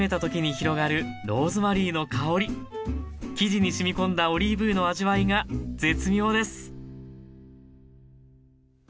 生地に染み込んだオリーブ油の味わいが絶妙です